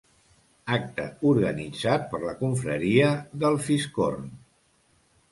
Acte organitzat per la confraria del Fiscorn.